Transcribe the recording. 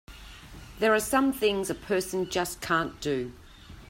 There are some things a person just can't do!